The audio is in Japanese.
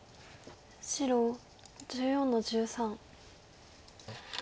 白１４の十三。